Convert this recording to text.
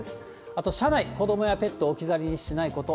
あと車内、子どもやペットを置き去りにしないこと。